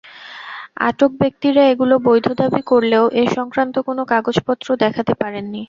আটক ব্যক্তিরা এগুলো বৈধ দাবি করলেও এ-সংক্রান্ত কোনো কাগজপত্র দেখাতে পারেনি।